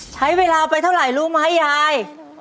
ใช้เวลาไปเท่าไหร่รู้ไหมยาย